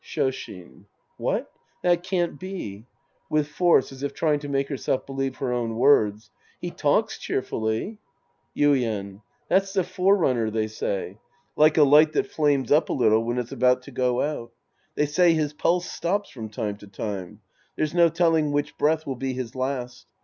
Shoshin. What? That can't be. {With force, as if trying to make herself believe her own words) He talks cheerfully. Yuien. That's the forerunner, they say. Like a light that flames up a little when it's about to go out. They say his pulse stops from time to time. There's no telling which breath will be his last.